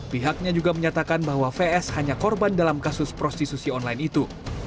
pihaknya juga menyatakan bahwa vs hanya korban dalam kasus prostitusi online itu